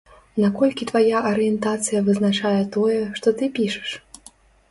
Наколькі твая арыентацыя вызначае тое, што ты пішаш?